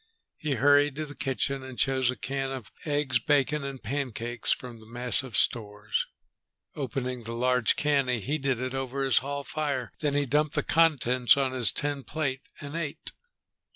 He hurried to the kitchen and chose a can of eggs bacon and pancakes from the massive stores. Opening the large can, he heated it over his hall fire. Then he dumped the contents on his tin plate and ate.